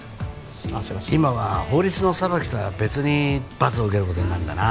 今は法律の裁きとは別に罰を受けることになるんだな